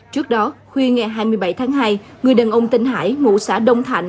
trước đó khuya ngày hai mươi bảy tháng hai người đàn ông tinh hải ngụ xã đông thạnh